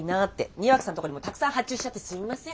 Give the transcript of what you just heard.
庭木さんのとこにもたくさん発注しちゃってすみません。